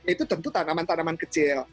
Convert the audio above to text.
itu tentu tanaman tanaman kecil